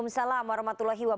selamat sore assalamualaikum wr wb